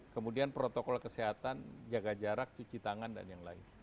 kemudian protokol kesehatan jaga jarak cuci tangan dan yang lain